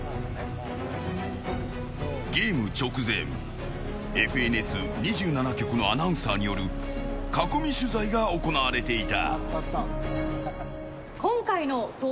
ゲーム直前、ＦＮＳ２７局のアナウンサーによる囲み取材が行われていた。